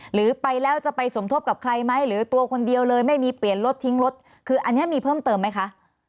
หรือไปแล้วจะไปสมทบกับใครไหมหรือตัวคนเดียวเลยไม่มีเปลี่ยนรถทิ้งรถคืออันนี้มีเพิ่มเติมไหมคะ